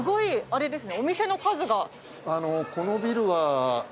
あのこのビルは。